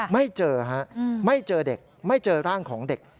ไม่เจอฮะไม่เจอเด็กไม่เจอร่างของเด็ก